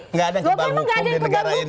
enggak ada yang kebal hukum di negara ini